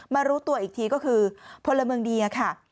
รู้ตัวอีกทีก็คือพลเมืองดีค่ะ